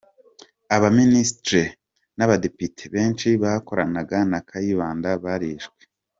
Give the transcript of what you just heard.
Aba ministres n’abadepite benshi bakoranaga na Kayibanda barishwe.